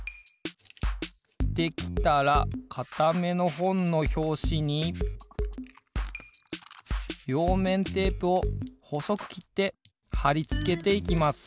できたらかためのほんのひょうしにりょうめんテープをほそくきってはりつけていきます。